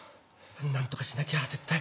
何とかしなきゃ絶対。